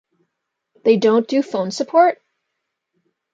They don't do phone support?